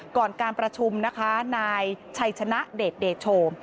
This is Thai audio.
ก่อนการประชุมนายชัยชนะเดทโชว์